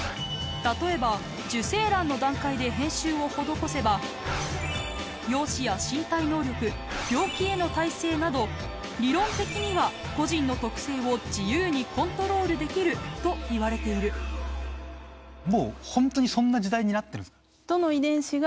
例えば受精卵の段階で編集を施せば容姿や身体能力病気への耐性など理論的には個人の特性を自由にコントロールできるといわれているもう。